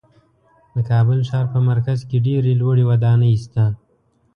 د کابل ښار په مرکز کې ډېرې لوړې ودانۍ شته.